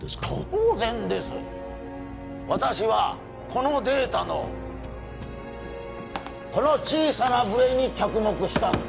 当然です私はこのデータのこの小さなブレに着目したんだ